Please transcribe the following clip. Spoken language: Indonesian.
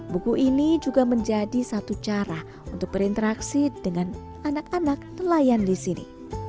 buku ini juga menjadi satu cara untuk berinteraksi dengan anak anak nelayan di sini